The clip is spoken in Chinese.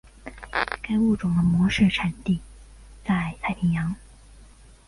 该物种的模式产地在太平洋。